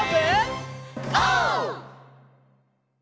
オー！